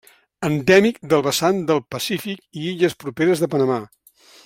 Endèmic del vessant del Pacífic i illes properes de Panamà.